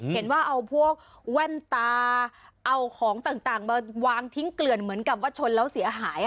เห็นว่าเอาพวกแว่นตาเอาของต่างมาวางทิ้งเกลื่อนเหมือนกับว่าชนแล้วเสียหาย